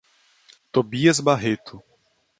Tobias Barreto